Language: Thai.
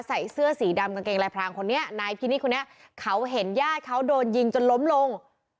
ใส่เสื้อสีดำกางเกงลายพรางคนนี้นายพินิศคนนี้เขาเห็นญาติเขาโดนยิงจนล้มลง